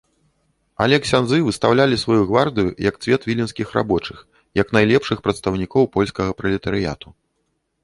Але ксяндзы выстаўлялі сваю гвардыю як цвет віленскіх рабочых, як найлепшых прадстаўнікоў польскага пралетарыяту.